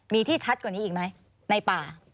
มีที่ชัดกว่านี้อีกไหมในป่า